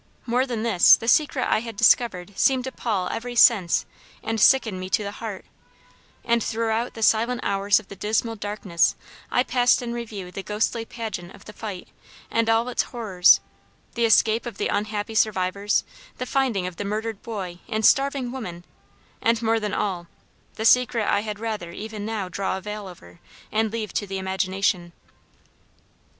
More than this, the secret I had discovered seemed to pall every sense and sicken me to the heart, and throughout the silent hours of the dismal darkness I passed in review the ghostly pageant of the fight and all its horrors, the escape of the unhappy survivors, the finding of the murdered boy and starving women, and more than all the secret I had rather even now draw a veil over, and leave to the imagination."